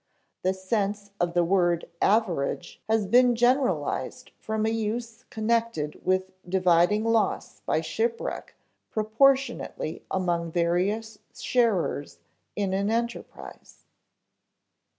The sense of the word average has been generalized from a use connected with dividing loss by shipwreck proportionately among various sharers in an enterprise.